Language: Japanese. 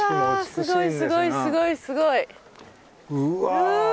うわすごいすごいすごいすごい。